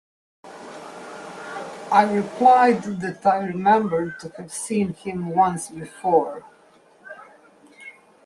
I replied that I remembered to have seen him once before.